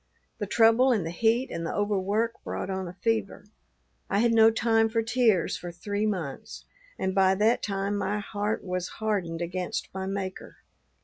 The trouble and the heat and the overwork brought on a fever. I had no time for tears for three months, and by that time my heart was hardened against my Maker.